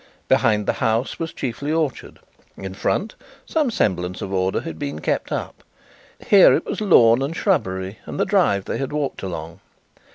Behind the house was chiefly orchard. In front, some semblance of order had been kept up; here it was lawn and shrubbery, and the drive they had walked along.